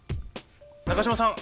中島さん